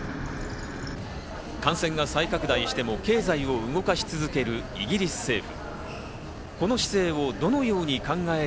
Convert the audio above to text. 感染が再拡大しても経済を動かし続けるイギリス政府。